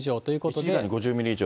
１時間に５０ミリ以上。